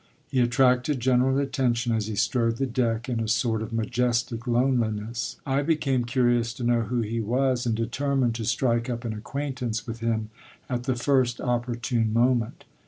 He attracted general attention as he strode the deck in a sort of majestic loneliness. I became curious to know who he was and determined to strike up an acquaintance with him at the first opportune moment.